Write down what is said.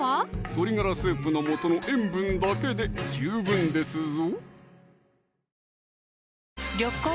鶏ガラスープの素の塩分だけで十分ですぞ！